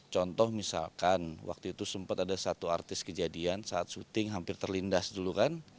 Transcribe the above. contoh misalkan waktu itu sempat ada satu artis kejadian saat syuting hampir terlindas dulu kan